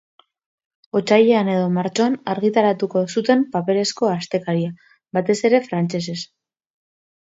Otsailean edo martxoan argitaratuko zuten paperezko astekaria, batez ere frantsesez.